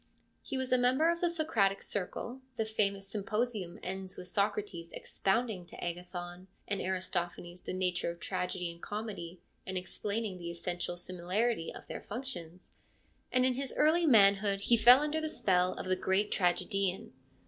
He was a member of the Socratic Circle (the famous Symposium ends with Socrates expounding to Agathon and Aristophanes the nature of tragedy and comedy, and explaining the essential similarity of their functions), and in his early manhood he fell under the spell of the great tragedian.